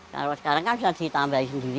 kalau sekarang kan sudah ditambahin sendiri